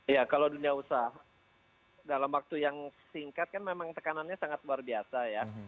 ya kalau dunia usaha dalam waktu yang singkat kan memang tekanannya sangat luar biasa ya